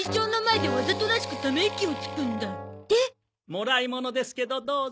もらいものですけどどうぞ。